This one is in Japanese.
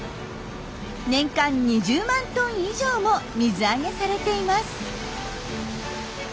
年間２０万トン以上も水揚げされています。